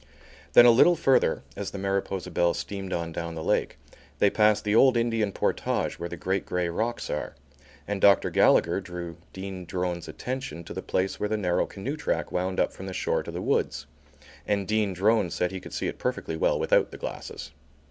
Then a little further, as the Mariposa Belle steamed on down the lake, they passed the Old Indian Portage where the great grey rocks are; and Dr. Gallagher drew Dean Drone's attention to the place where the narrow canoe track wound up from the shore to the woods, and Dean Drone said he could see it perfectly well without the glasses.